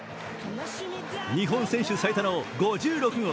日本選手最多の５６号